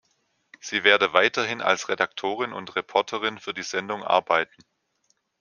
Sie werde weiterhin als Redaktorin und Reporterin für die Sendung arbeiten.